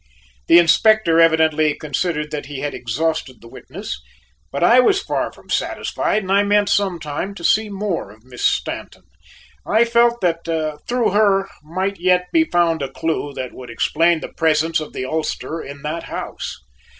The Inspector evidently considered that he had exhausted the witness, but I was far from satisfied and I meant sometime to see more of Miss Stanton; I felt that through her might yet be found a clue that would explain the presence of the ulster in that house.